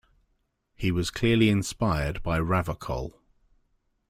He was clearly inspired by Ravachol.